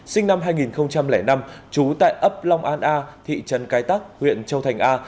sinh năm hai nghìn năm trú tại ấp long an a thị trấn cái tắc huyện châu thành a